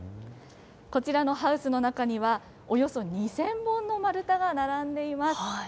こちらのハウスの中には、およそ２０００本の丸太が並んでいます。